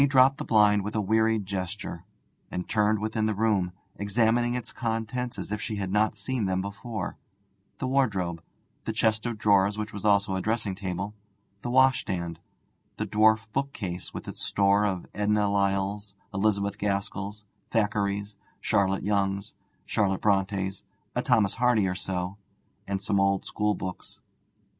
May dropped the blind with a wearied gesture, and turned within the room, examining its contents as if she had not seen them before: the wardrobe, the chest of drawers, which was also a dressing table, the washstand, the dwarf book case with its store of Edna Lyalls, Elizabeth Gaskells, Thackerays, Charlotte Yonges, Charlotte Brontës, a Thomas Hardy or so, and some old school books.